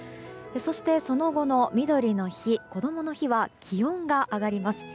そして、その後のみどりの日、こどもの日は気温が上がります。